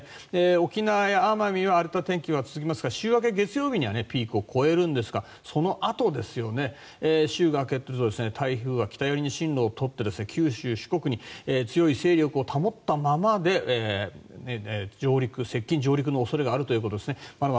沖縄や奄美は荒れた天気は続きますが週明け月曜日にはピークを越えるんですがそのあと、週が明けると台風は北寄りに進路をとって九州、四国に強い勢力を保ったままで接近・上陸の恐れがあるということです。